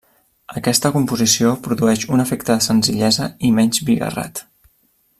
Aquesta composició produeix un efecte de senzillesa i menys bigarrat.